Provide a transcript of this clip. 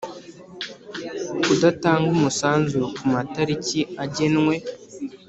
Kudatanga umusanzu ku matariki agenwe